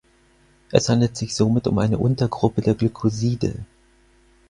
Es handelt sich somit um eine Untergruppe der Glycoside.